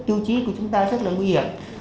tiêu chí của chúng ta rất là nguy hiểm